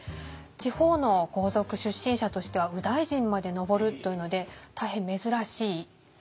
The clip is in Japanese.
地方の豪族出身者としては右大臣まで上るというので大変珍しい出世の道を歩んだ人です。